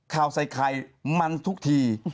ข่าวไซไกลมันทุกที